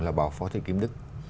là bảo phó thị kim đức